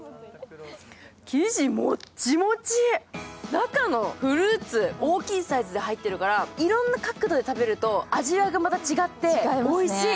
中のフルーツ、大きいサイズで入っているからいろんな角度で食べると味わいがまた違って、おいしい。